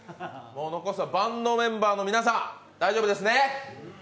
残すはバンドメンバーの皆さん、大丈夫ですね？